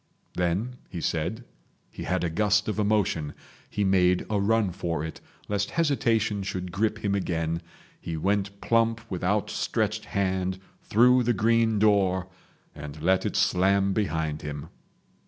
Then, he said, he had a gust of emotion. He made a run for it, lest hesitation should grip him again, he went plump with outstretched hand through the green door and let it slam behind him.